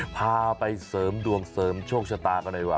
พาไปเสริมดวงเสริมโชคชะตากันหน่อยว่